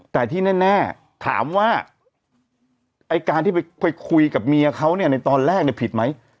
แต่ที่แน่ถามว่าไอ้การที่ไปคุยกับเมียเขาเนี่ยในตอนแรกเนี่ยผิดไหม